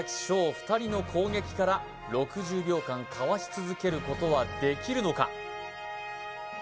２人の攻撃から６０秒間かわし続けることはできるのか？